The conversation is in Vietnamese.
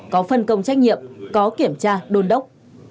có phân công trách nhiệm có kiểm tra đôn đốc